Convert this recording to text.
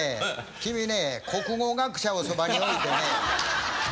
君ね国語学者をそばに置いてね。